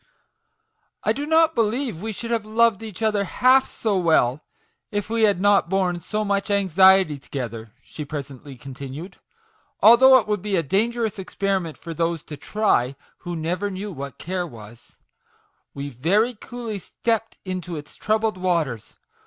" I do not believe we should have loved each other half so well if we had not borne so much anxiety together/' she presently continued, " although it would be a dangerous experiment for those to try, who never knew what care was I We very coolly stepped into its troubled MAGIC WORDS. 23 waters.